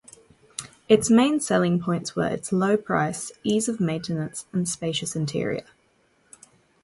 Its main selling points were its low price, ease of maintenance and spacious interior.